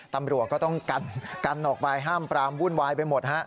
ตำรวจก็ต้องกันออกไปห้ามปรามวุ่นวายไปหมดฮะ